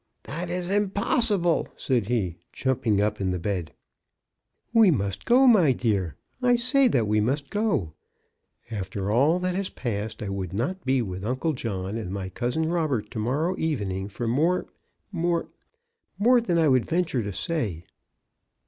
That is impossible," said he, jumping up in the bed. We must go, my dear. I say that we must go. After all that has passed, I wouldn't not be with Uncle John and my cousin Robert to morrow evening for more — more — more than I would venture to say."